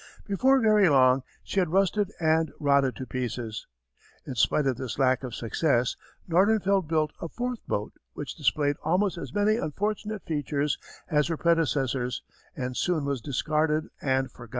Before very long she had rusted and rotted to pieces. In spite of this lack of success, Nordenfeldt built a fourth boat which displayed almost as many unfortunate features as her predecessors and soon was discarded and forgotten.